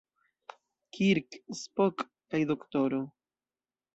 Kirk, Spock kaj D-ro.